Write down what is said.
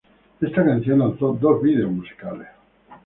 Esta canción lanzó dos vídeos musicales.